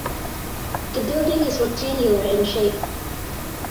The building is rectangular in shape.